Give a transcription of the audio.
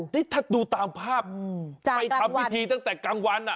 นี่ถ้าดูตามภาพไปทำพิธีตั้งแต่กลางวัน